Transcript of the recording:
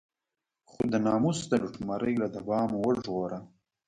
خو د ناموس د لوټمارۍ له دبا مو وژغوره.